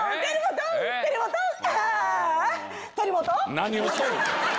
何をしとる！